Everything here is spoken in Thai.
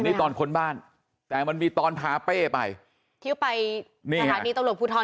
นี่ตอนค้นบ้านแต่มันมีตอนพาเป้ไปที่ไปนี่สถานีตำรวจภูทร